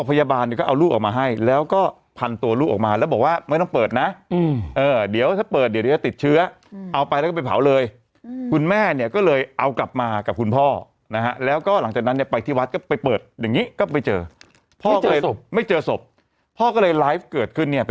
พยาบาลเนี่ยก็เอาลูกออกมาให้แล้วก็พันตัวลูกออกมาแล้วบอกว่าไม่ต้องเปิดนะเดี๋ยวถ้าเปิดเดี๋ยวจะติดเชื้อเอาไปแล้วก็ไปเผาเลยคุณแม่เนี่ยก็เลยเอากลับมากับคุณพ่อนะฮะแล้วก็หลังจากนั้นเนี่ยไปที่วัดก็ไปเปิดอย่างนี้ก็ไปเจอพ่อก็เลยไม่เจอศพพ่อก็เลยไลฟ์เกิดขึ้นเนี่ย